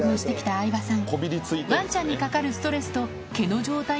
相葉さん。